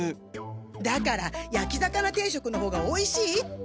だからやき魚定食の方がおいしいって！